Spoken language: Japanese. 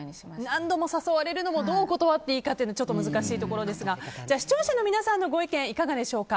何度も誘われるのもどう断っていいかちょっと難しいところですが視聴者の皆さんのご意見いかがでしょうか。